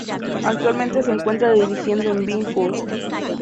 Actualmente se encuentra dirigiendo en Ben Hur.